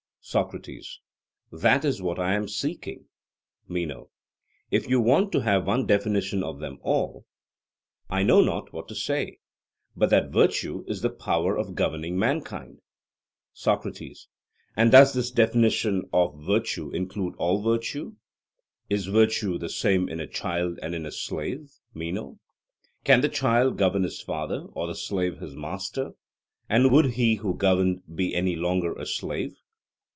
SOCRATES: That is what I am seeking. MENO: If you want to have one definition of them all, I know not what to say, but that virtue is the power of governing mankind. SOCRATES: And does this definition of virtue include all virtue? Is virtue the same in a child and in a slave, Meno? Can the child govern his father, or the slave his master; and would he who governed be any longer a slave?